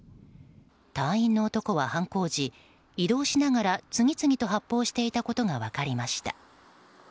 隊員の男は犯行時、移動しながら次々と発砲していたことが分かりました。